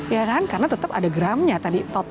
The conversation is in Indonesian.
ya kan karena tetap ada gramnya tadi